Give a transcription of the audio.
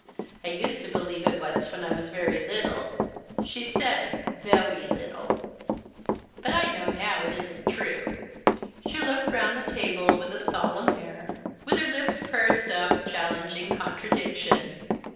"I used to believe it once when I was very little" she said "veway little" "but now I know it isn't true." She looked round the table with a solemn air, with her lips pursed up, challenging contradiction.